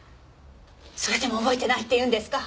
それでも覚えてないって言うんですか？